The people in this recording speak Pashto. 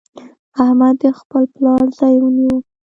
احمد د خپل پلار ځای ونيو.